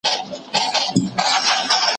زه بايد پلان جوړ کړم